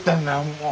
もう。